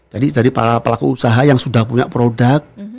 jadi pelaku usaha yang sudah punya produk